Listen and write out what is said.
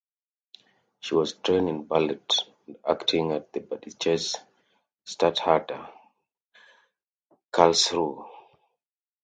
She was trained in ballet and acting at the Badisches Staatstheater Karlsruhe.